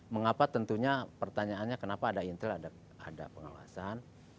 mengapa tentunya pertanyaannya kenapa ada intel ada pengawasan